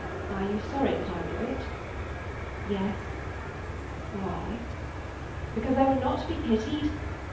Are you sorry that I know it?" "Yes." "Why?" "Because I will not be pitied!"